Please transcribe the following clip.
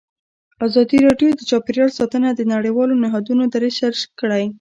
ازادي راډیو د چاپیریال ساتنه د نړیوالو نهادونو دریځ شریک کړی.